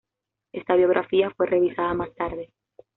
Esta biografía fue revisada más tarde.